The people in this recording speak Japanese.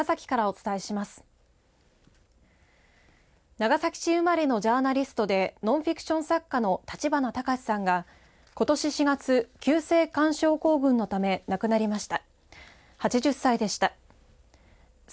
長崎市生まれのジャーナリストでノンフィクション作家の立花隆さんがことし４月急性冠症候群のため亡くなりました。